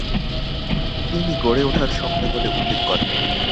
তিনি "গড়ে ওঠার সময়" বলে উল্লেখ করেন।